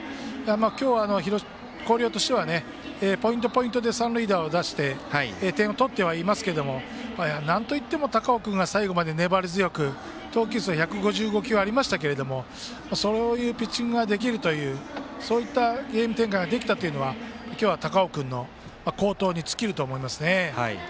今日、広陵としてはポイント、ポイントで三塁打を出して点を取ってはいますけれどもなんといっても高尾君が最後まで粘り強く投球数は１５５球ありましたけれどもそういうピッチングができるというそういったゲーム展開ができたというのは今日は高尾君の好投に尽きると思いますね。